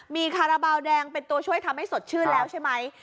มีคาราบาลแดงเป็นตัวช่วยทำให้สดชื่นแล้วใช่ไหม